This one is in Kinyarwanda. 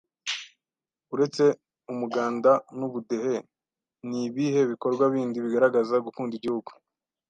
Uretse umuganda n’ubudehe ni ibihe bikorwa bindi bigaragaza gukunda igihugu